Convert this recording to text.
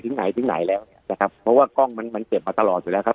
ไหนถึงไหนแล้วเนี่ยนะครับเพราะว่ากล้องมันมันเก็บมาตลอดอยู่แล้วครับ